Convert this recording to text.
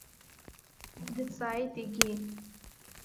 Дҵааит егьи.